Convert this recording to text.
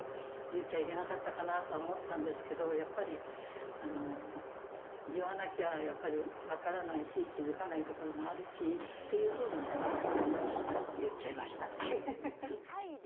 言っちゃいけなかったなと思ったんですけど、やっぱり言わなきゃ、やっぱり分からないし、気付かないところもあるしっていう部分では、言っちゃいました。